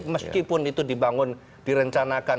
meskipun itu dibangun direncanakan